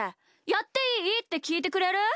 「やっていい？」ってきいてくれる？